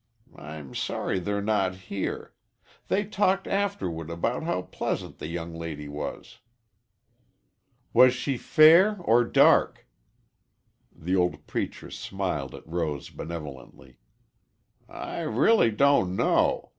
I'm sorry they're not here. They talked afterward about how pleasant the young lady was." "Was she fair or dark?" The old preacher smiled at Rose benevolently. "I really don't know.